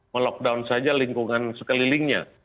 melockdown saja lingkungan sekelilingnya